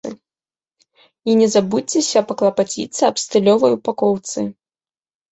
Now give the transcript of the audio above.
І не забудзьцеся паклапаціцца аб стылёвай упакоўцы.